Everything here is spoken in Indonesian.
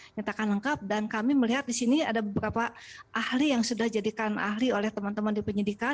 nyatakan lengkap dan kami melihat di sini ada beberapa ahli yang sudah jadikan ahli oleh teman teman di penyidikan